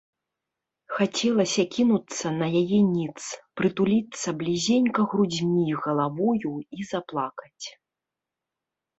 Хацелася кінуцца на яе ніц, прытуліцца блізенька грудзьмі і галавою і заплакаць.